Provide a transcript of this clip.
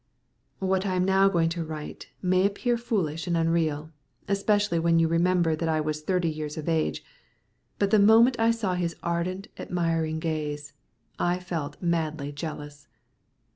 What I am now going to write may appear foolish and unreal, especially when you remember that I was thirty years of age, but the moment I saw his ardent, admiring gaze, I felt madly jealous.